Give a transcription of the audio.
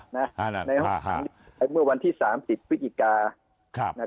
ในห้องขังเมื่อวันที่๓๐พฤศจิกา